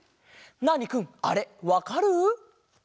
ナーニくんあれわかる？